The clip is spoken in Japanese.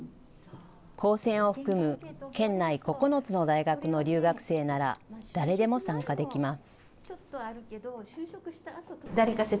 高専を含む県内９つの大学の留学生なら、誰でも参加できます。